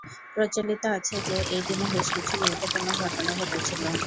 প্রচলিত আছে যে, এই দিনে বেশকিছু গুরুত্বপূর্ণ ঘটনা ঘটেছিল।